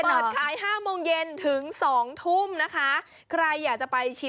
และทุกเมนูราคาไม่แพงด้วย